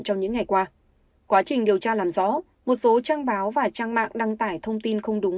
trong những ngày qua quá trình điều tra làm rõ một số trang báo và trang mạng đăng tải thông tin không đúng